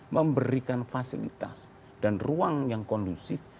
memberikan fasilitas dan ruang yang kondusif